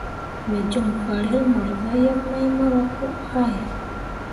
Me joŋ farel mor zah yeb mai mora pǝ wahe.